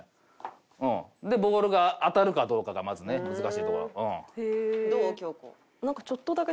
でボールが当たるかどうかがまずね難しいところ。